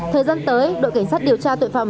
thời gian tới đội cảnh sát điều tra tội phạm